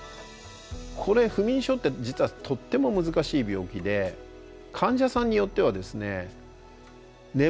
これ不眠症って実はとっても難しい病気で患者さんによってはですね眠れてないと感じてるんだけど